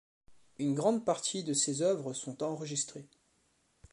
Une grande partie de ses œuvres sont enregistrées.